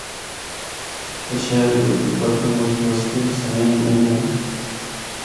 تے شہر دے اُردے پَردے مُچ بستیاں بسیاں دیّاں ہن۔